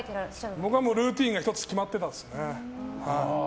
僕はルーティンが１つ決まってたんです。